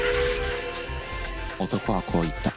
男はこう言った。